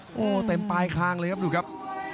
โอ้โหเต็มปลายคางเลยครับดูครับ